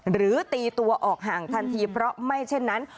หรือตีตัวออกห่างทันทีเพราะไม่เช่นนั้น